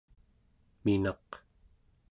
minaq